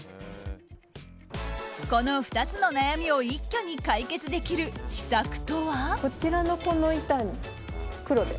この２つの悩みを一挙に解決できる秘策とは？